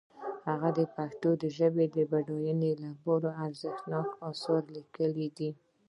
هغه د پښتو ژبې د بډاینې لپاره ارزښتناک آثار لیکلي دي.